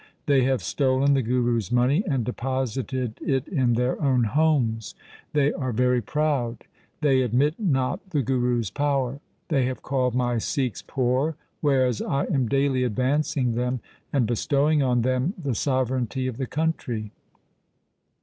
They have stolen the Guru's money and deposited it in their own homes. They are very proud. They admit not the Guru's power. They have called my Sikhs poor, whereas I am daily advancing them and bestowing on them the sove reignty of the country.